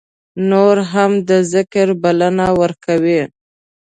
نور هم د ذکر بلنه ورکوي.